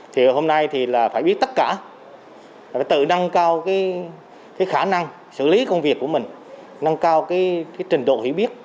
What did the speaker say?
thì hôm nay thì là phải biết tất cả phải tự nâng cao cái khả năng xử lý công việc của mình nâng cao cái trình độ hiểu biết